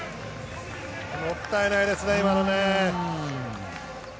もったいないですね、今のね。